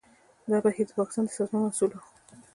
دا بهیر د پاکستان د سازمان محصول و.